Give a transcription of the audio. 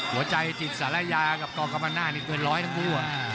หัวใจจิตสรายอยากกองกำลังนาธรรมกันนี้เต็มเปิดร้อยทั้งครู่